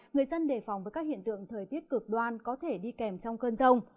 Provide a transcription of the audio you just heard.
người dân đề phòng với các hiện tượng thời tiết cực đoan có thể đi kèm trong cơn rông